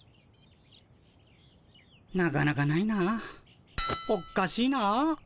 なかなかないな。おっかしいな。